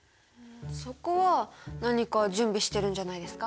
そこは何か準備してるんじゃないですか？